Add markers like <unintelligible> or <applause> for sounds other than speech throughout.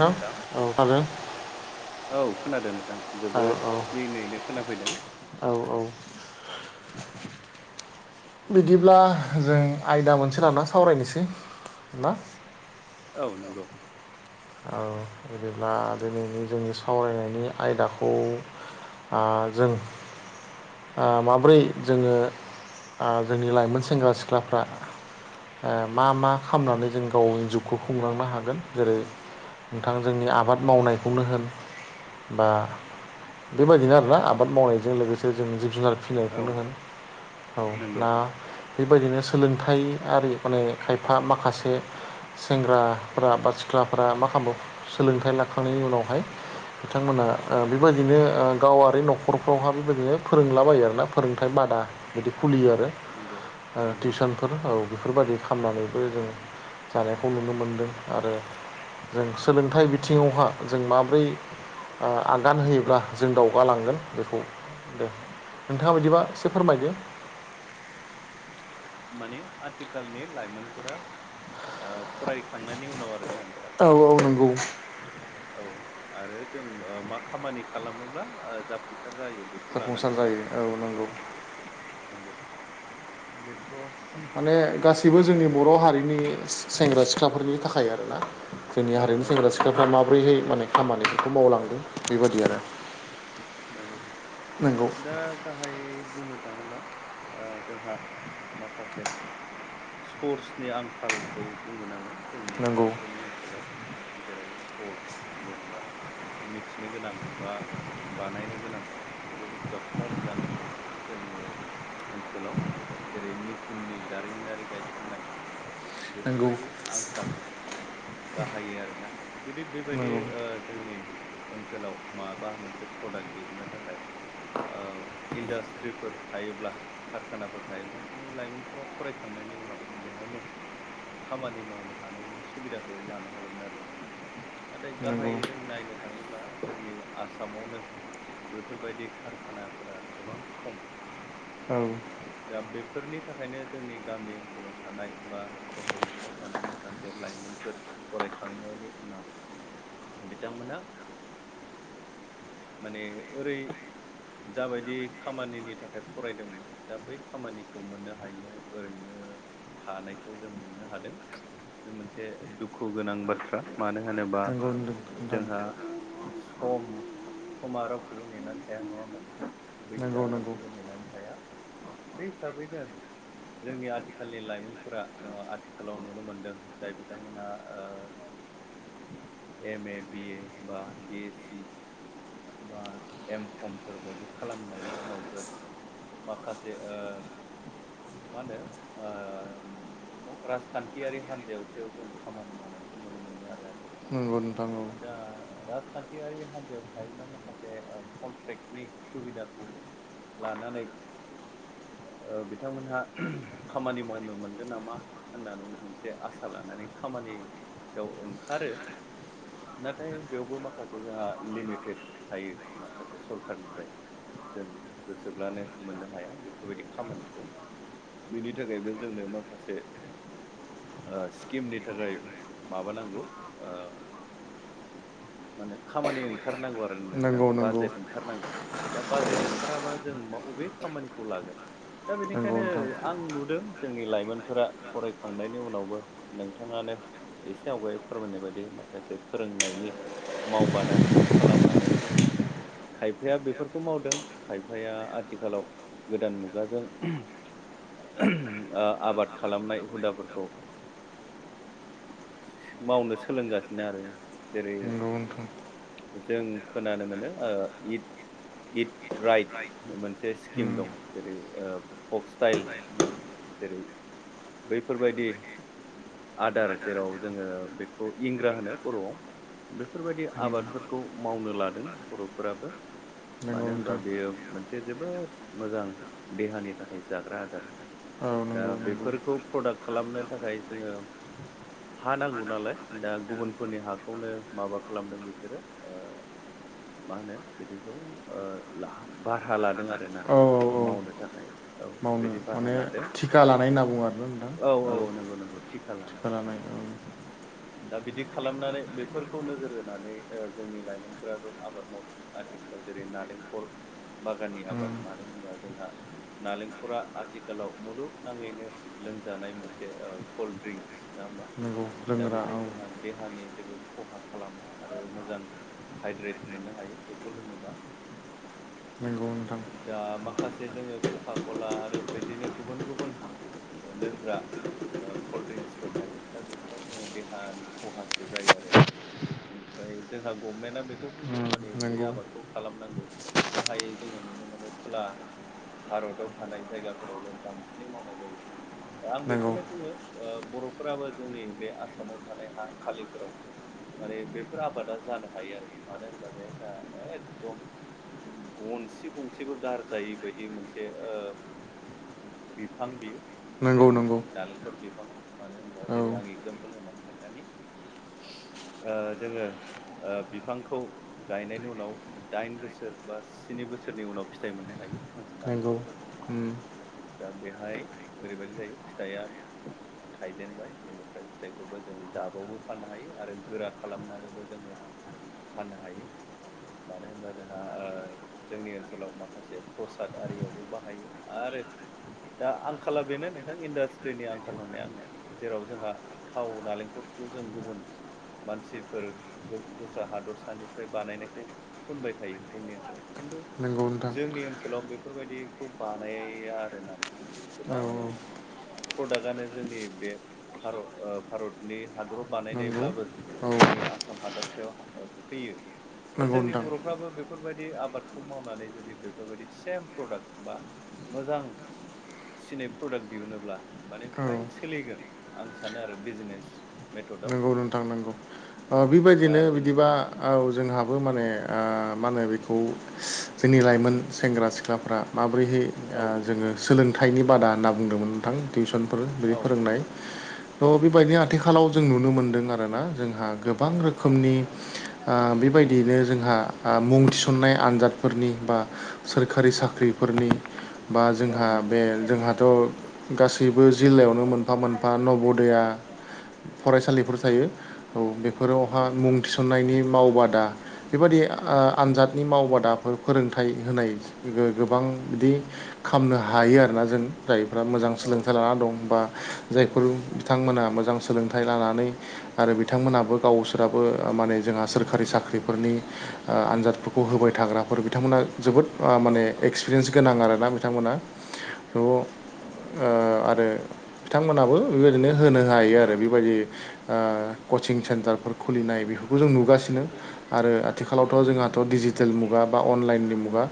थां नोंथां औ आरो औ खोनादों नोंथां औ जोबोद औ क्लिनैनो खोनाफैदों औ औ बिदिब्ला जों आयदा मोनसे लाना सावरायनोसै ना औ नोंगौ औ बिदिब्ला दिनैनि जोंनि सावरायनायनि आयदाखौ आ जों आ माब्रै जोङो आ जोंनि लाइमोन से सेंग्रा सिख्लाफ्रा ओ मा मा खालामनानै जों गावनि जिउ खौ खुंलांनो हागोन जेरै नोंथां जोंनि आबाद मावनायखौनो होन बा बेबायदिनो आरोना आबाद मावनायजों लोगोसे जों जिब जुनार औ फिनायखौनो होन औ नंगौ ना बेबायदिनो सोलोंथाइ आरि माने खायफा माखासे सेंग्राफ्रा बा सिख्लाफ मा खालामो सोलोंथाइ लाखांनायनि उनावहाय बिथांमोना ओ बेबायदिनो ओ गावारि न'खरफ्रावहा बेबायदिनो फोरोंलाबायो आरोना फोरोंथायाइ बादा बिदि खुलियो आरो नंगौ ओ नंगौ टिउसनफोर औ बेफोरबायदि खालामामनानैबो जों जानायखौ नुनो मोनदों आरो जों सोलोंथाइ बिथिङावहा जों माब्रै ओ आगान होयोब्ला जों दावगालांगोन बेखौ दे नोंथाङा बिदिबा एसे फोरमायदो माने आथिखालनि लाायमोनफोरा ओ फरायखांनायनि उनाव आरोना नोंथां औ औ नंगौ औ आरो जों ओ मा खामानि खालामोब्ला जाफुंसा सार जायो बेखौ जाफुंसार लानानै ना जायो औ नंगौ नंगौ बेथ' माने गासैबो मोजां जोंनि आयदा बर' हारिनि सेंग्रा सिख्लाफोरनि थाखाय आ आरोना जोंनि औ औ हारिनि औ सेंग्रा सिख्लाफ्रा माबोरैहाय माने खामानिफोरखौ मावलांदों बेबायदि आरो नंगौ नंगौ दा गाहायै बुंनो थाङोब्ला ओ जोंहा माखासे सर्सनि आंखालखौ बुङगोन आङो जोंनि नंगौ बर'फोरनि ओनसोलाव जेराव सर्स जेनेबा मिथि नों गोनां बा बानायनो गोनां बे बुस्थुआ खम जानानै दङ जोंनि ओनसोलाव जेरै मेचिननि दारिमिनारि गायसननाय नंगौ बेफोरबायदि आंखाल गाहायो आरोना जुदि बेबायदि नंगौ ओ जोंनि ओनसोलाव माबा मोनसे प्रडाक्ट दिहुनन्नो थाखाय ओ इन्डास्ट्रिफोर थायोब्ला खारखानाफोर थायोब्ला जोंनि लाइमोनफोरा फरायखांनायनि उनाव बेहायनो खामानि मावनो हानायनि सुबिदाखौ लानो हागौमोन आरो ना नाथाय नंगौ गाहायै जों नायनो थाङोब्ला जोंनि आसामावनो बेफोरबायदि कारखानाफोरा गोबां खम औ दा बेफोरनि थाखायनो जोंनि गामि ओनसोलाव थानाय बा सहर थौ थानाय माखासे लाइमोनफोर फरायखांनायनि उनाव बिथांमोना माने ओरै जाबायदि खामानिनि थाखाय फरायदोंमोन दा बै खामानिखौ मोननो हायियाव ओरैनो थानायखौ जों मोननो हादों बे मोनसे दुखु गोनां बाथ्रा मानो होनोबा नंगौ नोंथां जोंहा सम समा रावखौबो नेनानै थाया नङा मानो नोंथां नंगौ बैसोआ नंगौ रावखौबो नेनानै थाया बे हिसाबैनो जोंनि आथिखालनि लाइमोनफोरा ओ आथिखालाव नुनो मोनदों जाय बिथांमोनहा ओ <inaudible> एम ए बि ए बा बि ए सि बा एम खमफोर बायदि खालामनायनि उनावबो माखासे ओ मा होनो ओ औ राजखान्थियारि हान्जायावसो जों खामानि मावनायखौ नुनो मोनदों आरो आथिखाल नंगौ नोंथां नंगौ। दा राजखान्थियारि हान्जायाव थायोब्ला माखासे ओ कन्ट्रेक्टनि सुबिदाखौ लानानै ओ बिथांमोनहा खामानि मावनो मोनगोन नामा होननानै मोनसे आसा लानानै खामानियाव ओंखारो नाथाय बेयावबो माखासे जोंहा लिमिटेड थायो माखासे सरखारनिफ्राय जों गोसोब्लानो मोननो हाया बेफोरबायदि खामानिखौ बिनि थाखायबो जोंनो माखासे ओ स्किमनि थाखाय माबानांगौ ओ माने खामानि ओंखारनांगौ आरो नोंथां नंगौ नंगौ बाजेट ओंखारनांगौ दा बाजेट ओंखाराबा जों बबे खामानिखौ लागोन दा नंगौ बेनिखायनो नोंथां आं नुदों जोंनि लाइमोनफोरा फरायखांनायनि उनावबो नोंथाङानो एसे आवगाय फोरमायनाय बायदि माखासे फोरोंनायनि मावबादा खालामनानै खायफाया बेफोरखौ मावदों खायफाया आथिखालाव गोदान मुगाजों आबाद खालामनाय हुदाफोरखौ मावनो सोलोंगासिनो आरो जेरै <inaudible> जों खोनानो मोनो ओ इट इट राइट मोनसे स्किम उम दं। जेरै ओ फक स्टाइल होन जेरै बैफोरबायदि आदार जेराव जोङो बेखौ इंग्रा होनो बर'आव बेफोरबायदि उम आबादफोरखौ मावनो लादों। बर'फोराबो। नंगौ मानो होनबा नोंथां बेयो मोनसे जोबोद मोजां देहानि थाखाय जाग्रा आदार औ नंगौ ओ नंगौ बेफोरखौ प्रडाक्ट खालामनो थाखाय जोङो हा नांगौ नालाय दा गुबुनफोरनि हाखौनो माबा खालामदों बिसोरो ओ मा होनो बिदिखौ ओ ला बारहा लादों आरोना औ औ मावनो थाखाय औ मावनो बिदि भारा माने लादों थिखा लानाय ओमफ्राय होनना बुङो आरोना नोंथां औ औ नंगौ नंगौ थिखा लानाय दा बिदि खालामनानै बेफोरखौ नोजोर होनानै जोंनि लाइमोनफोराबो आबाद मावो आथिखालाव जेरै नालेंखल बागाननि उम आबाद मानो होनोबा जोंहा नालेंखरा आथिखालाव मुलुगनाङैनो लोंजानाय मोनसे ओ कल्ड ड्रिंक्स। नङा होनबा? नंगौ दा लोंग्रा बेहाय औ जोंहा देहानि जेबो खहा खालामा आरो मोजां हाइद्रेट मोननो हायो बेखौ लोङोबा। नंगौ नोंथां। दा माखासे जोङो खखा खला आरो बिदिनो गुबुन गुबुन लोंग्रा ओ कल्ड ड्रिंक्सफोर थायो दा बेफोराव जोङो देहानि खहासो जायो आरोना। ओमफ्राय जोंहा गभमेन्टआ बे खौ बुंदों उम माने बे नंगौ आबादखौ खालामनांगौ गाहायै जोङो नुनो मोनो खोला भारताव थानाय जायगाफोरावल' बांसिनै मावनाय जायो। आं नंगौ बेखौनो बुङो ओ बर'फोराबो जोंनि बे आसामाव थानाय हा खालिफोराव माने बेफोर आबादा जानो हायो आरो मानो होनबा बे जोंहा एकदम गंसे गंसेबो गारजायि बायदि मोनसे ओ बिफां बियो नंगौ जेराव नंगौ नालेंखर बिफाङा मानो होनबा औ जेरै आं एगजामपोल होननानै खोन्थानि ओ जोङो ओ बि बिफांखौ गायनायनि उनाव दाइन बोसोर बा स्नि बोसोरनि उनाव फिथाइ मोननो हायो। <inaudible> करका होम। दा बेहाय ओरैबायदि जायो फिथाइया थाइजेनबाय बेनिफ्राय फिथाइखौबो जों दाबावबो फाननो हायो आरो गोरा खालामनानैबो जोङो फाननो हायो मानो होनबा जोंहा ओ जोंनि ओनसोलाव माखासे प्रसाद आरियावबो बाहायो आरो दा आंखाला बेनो नोंथां इन्डास्ट्रिनि आंखाल होननाय आङो जेराव जोंहा थाव नालेंखलखौ जों गुबुन मानसिफोर दस्रा हा दस सनिफ्राय बानायनायखौ फुनबाय थायो जोंनि ओनसोलाव खिन्थु नंगौ नोंथां जोंनि ओनसोलाव बेफोरबायदिखौ बानाया आरो ना नोंथां। औ गोबां औ प्रदाक्टआनो जोंनि बे भारत ओ भारतनि हादराव नंगौ बानायनायब्लाबो औ जोंनि आसाम हादाबसायाव ओ फैयो दा नंगौ जोंनि नोंथां बर'फ्राबो बे फोरबायदि आबादखौ मावनानै जुदि बेफोरबायदि सेम प्रडाक्ट बा मोजां सिनाय प्रडाक्ट दिहुनोब्ला माने फ्राय औ सोलिगोन। आं सानो आरो बिजनेस मेथदआव। थांनांगौ ओ बेबायदिनो बिदिबा बेनिफ्राय औ जोंहाबो माने ओ मा होनो बेखौ जोंनि लाइमोन सेंग्रा सिख्लाफोरा माबारैहाय औ ओ जोङो सोलोंथाइनि बादा होनना बुंदोंमोन नोंथां टिउसन फोर बिदि औ फोरोंनाय नंगौ थह बेबायदिनो आथिखालाव जों नुनो मोन्दों आर ना। जोंहा गोबां रोखोमनि ओ बेबायदियैनो जोंहा ओ मुं थिसन्नाय आनजाद फोरनि बा सोरखारि साख्रिफोरनि बा औ जोंहा नंगौ बे जोंहाथ' गासैबो जिल्लायावनो नंगौ मोनफा मोनफा नब'दया <inaudible> फरायसालिफोर थायो। औ बेफोरावहा मुं थिसन्नायनि मावबादा बेबायादि ओ आनजादनि मावबादाफोर फोरोंथाइ होनाय गोबां बिदि खालामामनो हायो आरोना जों। जायफ्रा मोजां औ सोलोंथाइ औ लानानै दं। बा जायफोर नंगौ नंगौ बिथांमोना मोजां सोलोंथाइ लानानै आरो बिथांमोनाबो गावसोराबो माने जोंहा सोरखारि साख्रिफोरनि ओ आनजादफोरखौ होबाय थाग्राफोर बिथांमोना जोबोद औ माने एक्सपिरियेन्स गोनां आरोना बिथांमोना। थ आरो बिथांमोनहाबो बेबायदिनो होनो हायो आरो। बेबायदि कचिं सेन्टार खुलिनाय बेफोरखौ जों नंगौ नुगासिनो‌। आरो आथिखालावथ' जोंहाथ' डिजिटेल मुगा बा अनलाइननि मुगा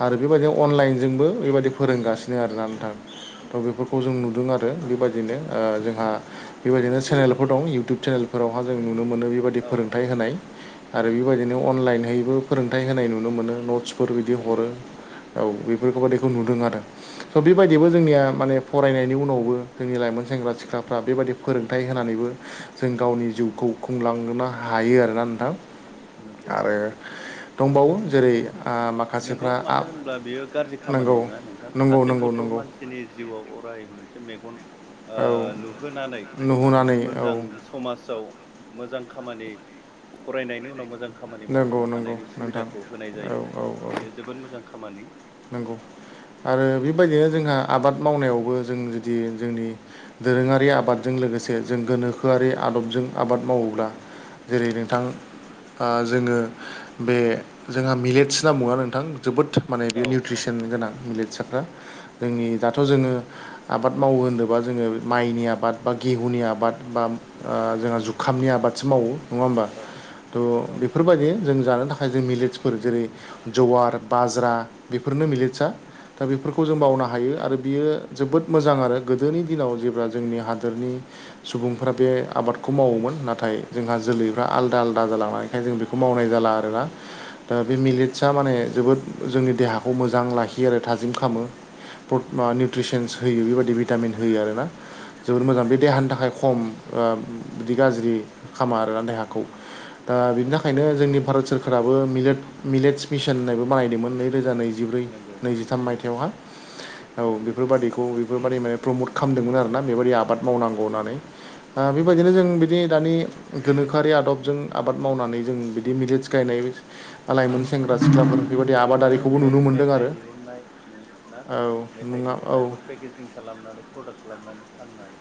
आरो बेबायदिनो नंगौ औ अनलाइनजोंबो बेबायदि फोरोंगासिनो आरोना नोंथां। थ' बेफोरखौ जों नंगौ नुदों आरो। बेबायदिनो ओ जोंहा बेबायदिनो चेनेलफोर दं इउटुब चेनेलफोरावहा जों नुनो मोनो बेबायदि फोरोंथाइ होनाय। आरो बेबायदिनो अनलाइनहबो फोरोंथाइ होनाय नुनो मोनो नट्सफोर बिदि नंगौ हरो। औ बेफोरखौबादिखौ नुदों आरो। स' बेबायदिबो जोंनिया माने फरायनायनि उनावबो जोंनि लाइमोन सेंग्रा सिख्लाफ्रा बेबायाददि फोरोंथाइ होनानैबो जों गावनि जिउखौ खुंलांनो हायो आरोना नोंथां। आरो <unintelligible> दंबावो जेरै आ नंगौ माखासेफ्रा आ मानो होनब्ला बियो गाज्रि नंगौ खामानि नङा नोंथां। नंगौ सासे नंगौ गथ' नंगौ मानसि मानसि जिउआव अराय मोनसे मेगन ओ औ नुहोनानै माने नुहोनानै औ मोजां समाजाव मोजां खामानि फरायनायनि उनाव मोजां खामानि नंगौ मावहोनो नंगौ हानायनि नोंथां सुबिदाखौ होनना औ औ औ जायो। जोबोद मोजां खामानि। नंगौ आरो बेबायदिनो जोंहा आबाद मावनायावबो जों जुदि जोंनि दोरोङारि आबादजों लोगोसे जों गोनोखोआरि आदबजों आबाद मावोब्ला जेरै नोंथां आं जोङो बे जोंहा मिलेट्स होनना बुङा नोंथां जोबोद माने औ बेयो औ निउट्रिसन गोनां मिलेटसाफ्रा। जोंनि दाथ' जोङो आबाद मावो होनोबा जोङो माइनि आबाद बा गेहुनि आबाद बा ओ जोंहा जुखामनि आबादसो मावो नङा होमबा? <inaudible> औ थह बेफोरबायदि जों जानो थाखाय साय मिलेटसफोर जेरै जवार बाजा बेफोरनो मिलेटस दा बेफोरखौ जों औ बावनो हायो। आरो बियो जोबोद मोजां आरो गोदोनि दिनाव जेब्ला जोंनि हादोरनि सुबुंफ्रा बे आबाद खौ मावोमोन। नाथाय जोंहा जोलैफ्रा आदा जालांनाय ओखायनो जों बेखौ मावनाय जाला आरोना। नंगौ दा बे नंगौ मिलेट्साआ माने जोबोद जोंनि देहाखौ मोजां लाखियो आरो थाजिम खालामो। निउट्रिसनस होयो बेबायदि भिटामिन होयो आर ना। जोबोद मोजां नंगौ बे देहानि थाखाय खम ओ बिदि गाज्रि खामा आरोना देहाखौ। दा बिनि औ थाखायनो जोंनि भारत सोरखाराबोे मिलेट्स मिशन होननायबो बानायदोंमोन नैरोजा नैजि जिब्रै नंगौ नैजिथाम मायथयावहा। औ नंगौ बेफोरबादिखौ बेफोरबायाददि माने प्रमट खालामदोंमोन आरोना। बेबायादि आबाद मावनांगौ होननानै औ नंगौ बेबायदिनो जों बि दानि गोनोखोआरि आबजों आबाद मावनानै जों बिदि मिलेटस गायनाय लाइमोन सेंग्रा बा सिख्लाफोर बेबायदि बिनिफ्राय आबादारिखौबो नुनो मोनदों मेथाइ आरो औ मेथाइ नङा औ दिहुननाय बा पेकेजिं खालामनानै प्रडाक्ट खालामनानै फाननाय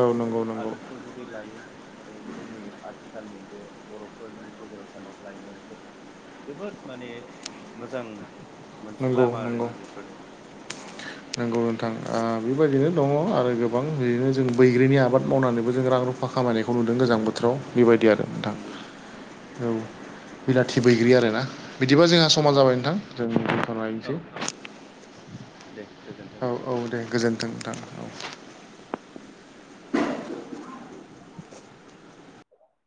औ नंगौ बेफोरबायदि नंगौ आदबफोर जुदि लायो माने जोंनि आथिखालनि बे बर'फोरनि गोजेराव थानाय लाइमोनफोर जोबोद माने मोजां मोनसे नंगौ लामा नंगौ आरोना बेफोरो नोंगौ नोंथां बेबायदिनो दङ आरो गोबां बिदिनो जों बैग्रिनि आबाद मावनानैबो जों रां रुफा रुफा खामायनायखौ नुदों गोजां नंगौ बोथोराव बेबायदि आरो नोंथां नंगौ औ बिलाथि बैग्रि आरोना बिदिबा जोंहा औ समा औ जाबाय नोंथां जों औ दोनथ'लायनोसै दे गोजोनथों औ नोंथां औ दे गोजोन्थों नोंथां औ आ